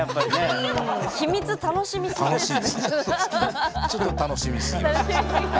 ちょっと楽しみすぎました。